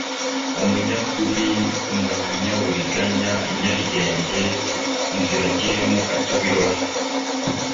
umunyakuri, umunyaburiganya, inyaryenge, inziragihemu, katabirore